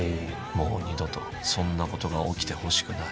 もう二度とそんなことが起きてほしくない。